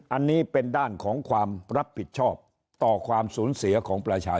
อันนี้เป็นด้านของความรับผิดชอบต่อความสูญเสียของประชาชน